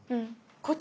こっち。